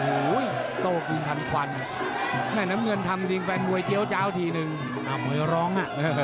โอ้โหโต้คืนทันควันแม่น้ำเงินทำจริงแฟนมวยเจี้ยวเจ้าทีนึงมวยร้อง